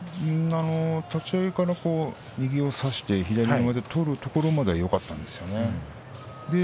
立ち合いから右を差して左の上手を取るところまではよかったんです。